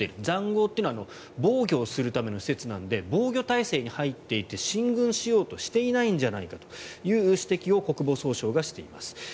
塹壕というのは防御をするための施設なので防御態勢に入っていて進軍しようとしていないんじゃないかという指摘を国防総省がしています。